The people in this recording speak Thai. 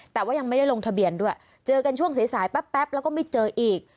แต่ว่ายังไม่ได้ลงทะเบียนด้วยเจอกันช่วงสายสายแป๊บแล้วก็ไม่เจออีก